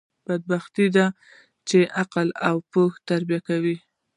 بدبختي ده، چي عقل او پوهه تربیه کوي.